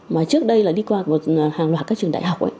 mà trước đây là đi qua một hàng loạt các trường đại học ấy